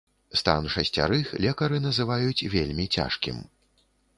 Стан шасцярых лекары называюць вельмі цяжкім.